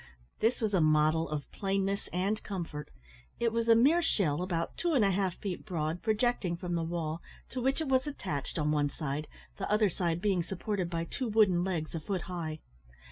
This was a model of plainness and comfort. It was a mere shell about two and a half feet broad, projecting from the wall, to which it was attached on one side, the other side being supported by two wooden legs a foot high.